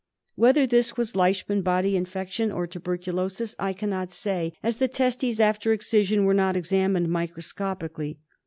Whether this was Leishman body infection or tuberculosis I cannot say, as the testes after excision were not examined micro scopically.